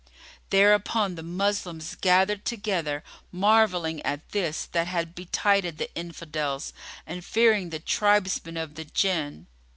Thereupon the Moslems gathered together, marvelling at this that had betided the Infidels and fearing the tribesmen of the Jinn.